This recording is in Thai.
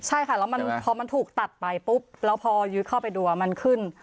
ใช่ค่ะแล้วพอมันถูกตัดไปปุ๊บแล้วพอยืดเข้าไปดูมันขึ้น